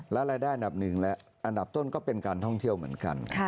และรายได้อันดับหนึ่งและอันดับต้นก็เป็นการท่องเที่ยวเหมือนกัน